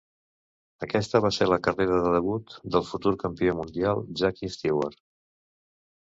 Aquesta va ser la carrera de debut del futur campió mundial Jackie Stewart.